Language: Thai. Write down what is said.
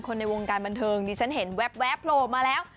คนในวงการบรรเทิงนี่ฉันเห็นแวบโปรมาแล้ว